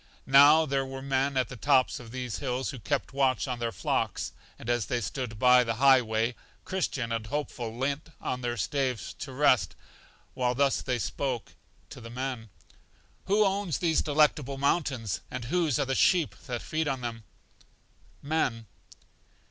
Now there were men at the tops of these hills who kept watch on their flocks, and as they stood by the high way, Christian and Hopeful leant on their staves to rest, while thus they spoke to the men: Who owns these Delectable Mountains, and whose are the sheep that feed on them? Men.